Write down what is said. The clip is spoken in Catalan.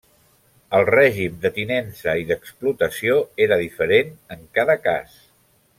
El règim de tinença i d'explotació era diferent en cada cas.